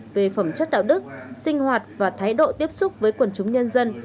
về phẩm chất đạo đức sinh hoạt và thái độ tiếp xúc với quần chúng nhân dân